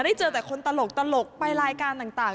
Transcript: เจอแต่คนตลกไปรายการต่าง